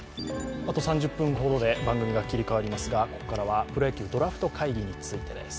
あと３０分ほどで番組が切り替わりますがここからはプロ野球ドラフト会議についてです。